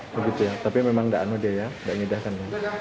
begitu ya tapi memang tidak anu dia ya tidak mengedahkan